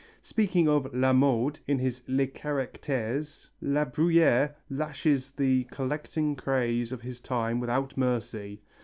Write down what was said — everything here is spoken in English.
Speaking of "La Mode" in his Les Charactères, La Bruyère lashes the collecting craze of his time without mercy.